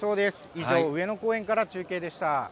以上、上野公園から中継でした。